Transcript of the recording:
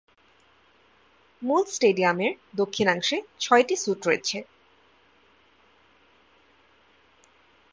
মূল স্টেডিয়ামের দক্ষিণাংশে ছয়টি স্যুট রয়েছে।